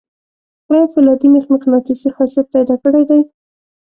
آیا فولادي میخ مقناطیسي خاصیت پیدا کړی دی؟